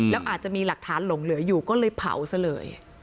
แล้วอาจจะมีหลักฐานหลงเหลืออยู่ก็เลยเผาซะเลย